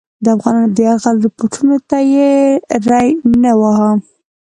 د افغانانو د یرغل رپوټونو ته یې ری نه واهه.